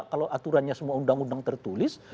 kalau aturannya semua undang undang tertulis